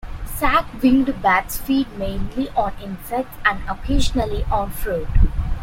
Sac-winged bats feed mainly on insects, and occasionally on fruit.